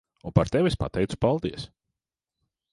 Un par tevi es pateicu paldies.